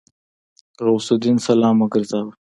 غوث الدين سلام وګرځاوه.